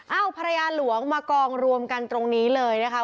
เอาภรรยาหลวงมากองรวมกันตรงนี้เลยนะคะ